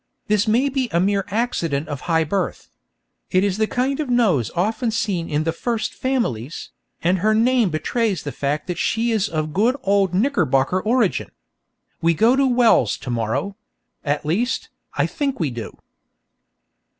This may be a mere accident of high birth. It is the kind of nose often seen in the 'first families,' and her name betrays the fact that she is of good old Knickerbocker origin. We go to Wells to morrow at least, I think we do.